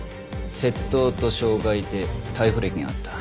窃盗と傷害で逮捕歴があった。